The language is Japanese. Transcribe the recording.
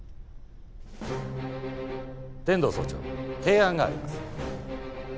天堂総長提案があります。